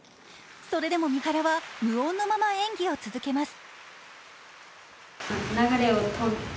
それでも三原は無音のまま演技を続けます。